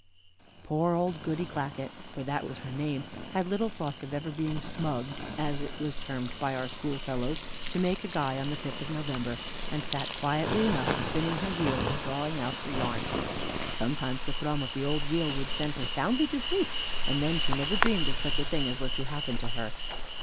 Poor old Goody Clackett for that was her name had little thoughts of ever being "smugged," as it was termed, by our schoolfellows to make a guy on the fifth of November, and sat quietly enough spinning her wheel and drawing out her yarn. Sometimes the thrum of the old wheel would send her soundly to sleep, and then she never dreamed of such a thing as was to happen to her.